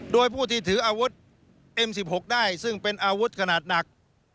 โดยผู้ที่ถืออาวุธเอ็มสิบหกได้ซึ่งเป็นอาวุธขนาดหนัก